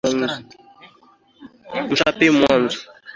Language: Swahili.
Mchape mwanzo.